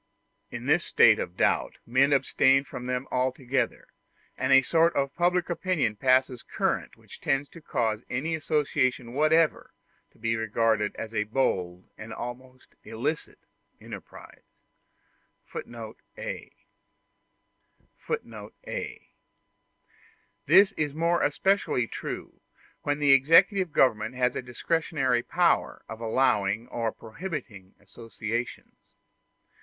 In this state of doubt men abstain from them altogether, and a sort of public opinion passes current which tends to cause any association whatsoever to be regarded as a bold and almost an illicit enterprise. *a [Footnote a: This is more especially true when the executive government has a discretionary power of allowing or prohibiting associations.